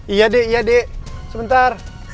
iya dek iya dek sebentar